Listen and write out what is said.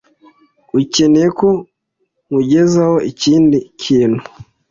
Ukeneye ko nkugezaho ikindi kintu?